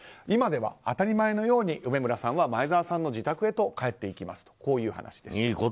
今では当たり前のように梅村さんは前澤さんの自宅へと帰っていきますとこういう話でした。